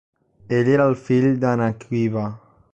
Ell era el fill d'Anaquiba.